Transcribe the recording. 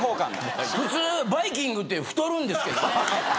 普通バイキングって太るんですけどね。